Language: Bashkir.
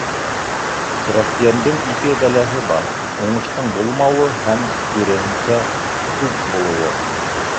Крәҫтиәндең ике бәләһе бар: уңыштың булмауы һәм, киреһенсә, күп булыуы.